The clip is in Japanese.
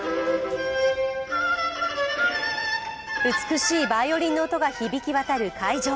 美しいバイオリンの音が響きわたる会場。